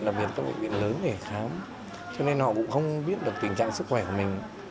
là bệnh viện lớn để khám cho nên họ cũng không biết được tình trạng sức khỏe của mình